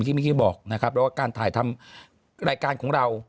อย่างที่บอกนะครับแล้วก็การถ่ายรายการของเรา